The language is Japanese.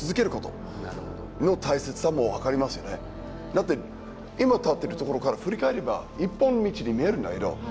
だって今立ってる所から振り返れば一本道に見えるんだけどあっ